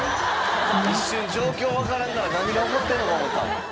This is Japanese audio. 一瞬状況分からんから何が起こってるのか思うた。